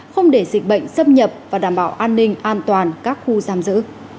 không để dịch bệnh xâm nhập và đảm bảo an ninh an toàn các khu giam giữ